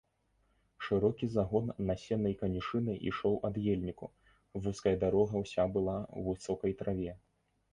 Шырокі загон насеннай канюшыны ішоў ад ельніку, вузкая дарога ўся была ў высокай траве.